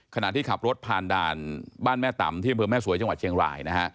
ขณะที่ขับรถผ่านด่านบ้านแม่ต่ำที่อำเภอแม่สวยจังหวัดเชียงรายนะฮะ